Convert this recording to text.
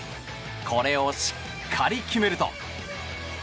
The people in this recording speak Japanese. これをしっかり決めると。